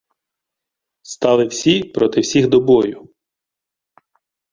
Стали всі проти всіх до бою